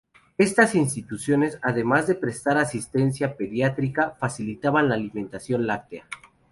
Estas instituciones además de prestar asistencia pediátrica, facilitaban la alimentación láctea.